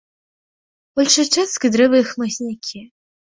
Большай часткай дрэвы і хмызнякі.